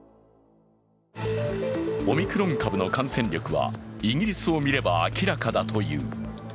オミクロン株の感染力はイギリスを見れば明らかだという。